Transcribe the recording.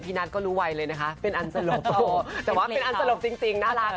คิดก็ร่าบก็ได้